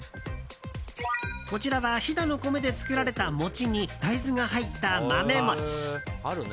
こちらは飛騨の米で作られた餅に大豆が入った、まめ餅。